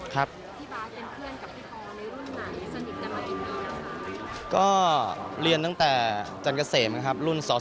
พี่บ้านค่ะพี่บ้านเป็นเพื่อนกับพี่พอในรุ่นไหนสนิทกันไหมอีกนี้